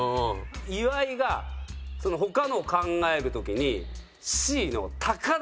岩井が他のを考える時にＣの「鷹だ！